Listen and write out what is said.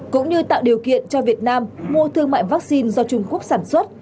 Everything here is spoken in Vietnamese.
cũng như tạo điều kiện cho việt nam mua thương mại vaccine do trung quốc sản xuất